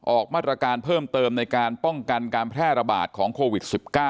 ออกมาตรการเพิ่มเติมในการป้องกันการแพร่ระบาดของโควิด๑๙